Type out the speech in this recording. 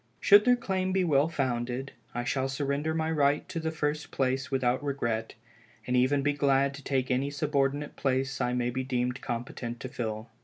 Should their claim be well founded, I shall surrender my right to the first place without regret, and be even glad to take any subordinate place I may be deemed competent to fill.